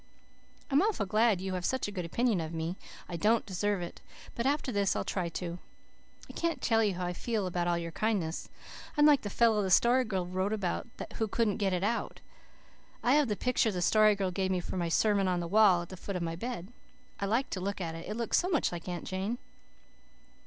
"I'm awful glad you have such a good opinion of me. I don't deserve it, but after this I'll try to. I can't tell you how I feel about all your kindness. I'm like the fellow the Story Girl wrote about who couldn't get it out. I have the picture the Story Girl gave me for my sermon on the wall at the foot of my bed. I like to look at it, it looks so much like Aunt Jane.